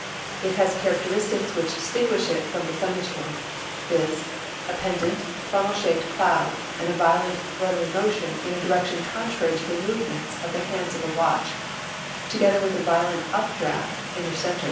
It has characteristics which distinguish it from the thunder storm, viz., a pendent, funnel shaped cloud and a violent, rotary motion in a direction contrary' to the movements of the hands of a watch, together with a violent updraught in the center.